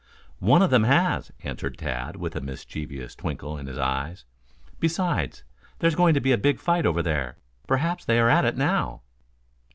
"One of them has," answered Tad, with a mischievous twinkle in his eyes. "Besides, there's going to be a big fight over there. Perhaps they are at it now."